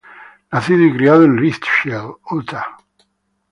Nacido y criado en Richfield, Utah.